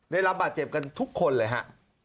ได้รับบาดเจ็บกันทุกคนเลยฮะ